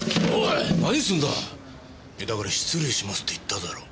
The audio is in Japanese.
いやだから失礼しますって言っただろ？